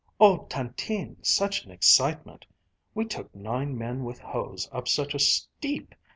"Oh, Tantine, such an excitement! we took nine men with hoes up such a steep